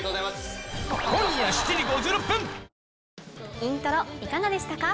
『イントロ』いかがでしたか？